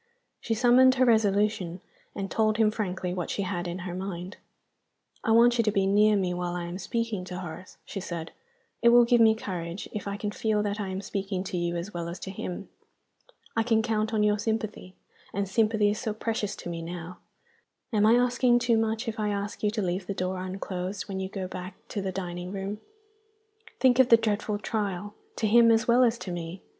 She summoned her resolution, and told him frankly what she had in her mind. "I want you to be near me while I am speaking to Horace," she said. "It will give me courage if I can feel that I am speaking to you as well as to him. I can count on your sympathy and sympathy is so precious to me now! Am I asking too much, if I ask you to leave the door unclosed when you go back to the dining room? Think of the dreadful trial to him as well as to me!